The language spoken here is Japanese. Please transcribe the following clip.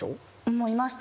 もういました。